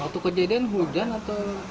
waktu kejadian hujan atau